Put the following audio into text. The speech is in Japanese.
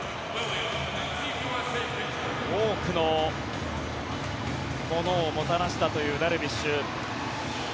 多くのものをもたらしたというダルビッシュ。